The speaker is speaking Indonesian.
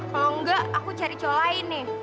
kalau enggak aku cari cowok lain nih